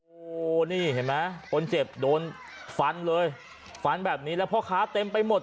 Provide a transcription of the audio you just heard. โอ้โหนี่เห็นไหมคนเจ็บโดนฟันเลยฟันแบบนี้แล้วพ่อค้าเต็มไปหมด